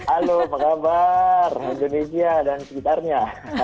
halo apa kabar indonesia dan sekitarnya